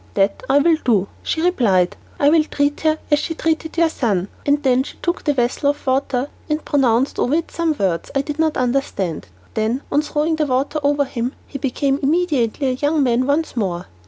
"That I will do," she replied; "I will treat her as she treated your son." Then she took a vessel of water and pronounced over it some words I did not understand; then, on throwing the water over him, he became immediately a young man once more.